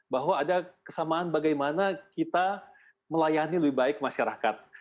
bahwa ada kesamaan bagaimana kita melayani lebih baik masyarakat